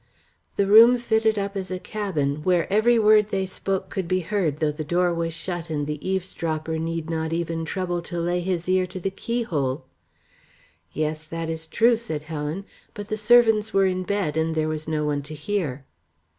"The room fitted up as a cabin, where every word they spoke could be heard though the door was shut and the eavesdropper need not even trouble to lay his ear to the keyhole." "Yes, that is true," said Helen. "But the servants were in bed, and there was no one to hear."